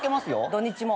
土日も？